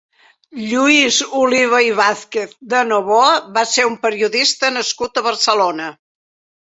Lluís Oliva i Vázquez de Novoa va ser un periodista nascut a Barcelona.